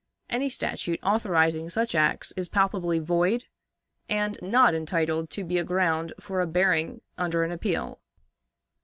Any statute authorizing such acts is palpably void, and not entitled to be a ground for a bearing under an appeal.